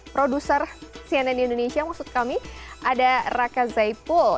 produser cnn indonesia maksud kami ada raka zaipul